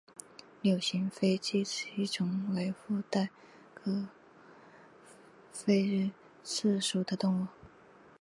卵形菲策吸虫为腹袋科菲策属的动物。